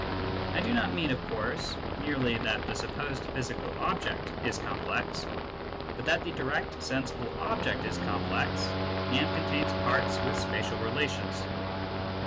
I do not mean, of course, merely that the supposed physical object is complex) but that the direct sensible obiecljs_jcornplex_and contains parts with spatial relations.